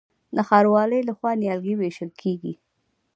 د ښاروالۍ لخوا نیالګي ویشل کیږي.